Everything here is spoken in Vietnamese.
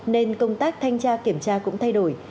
nên công tác thanh tra kiểm tra cũng thay đổi